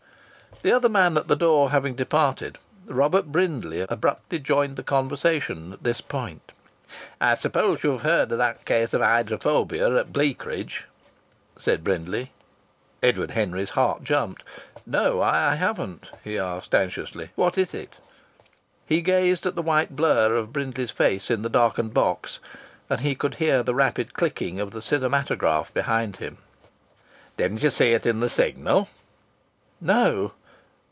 The other man at the door having departed Robert Brindley abruptly joined the conversation at this point. "I suppose you've heard of that case of hydrophobia at Bleakridge?" said Brindley. Edward Henry's heart jumped. "No, I haven't!" he said anxiously. "What is it?" He gazed at the white blur of Brindley's face in the darkened box, and he could hear the rapid clicking of the cinematograph behind him. "Didn't you see it in the Signal?" "No."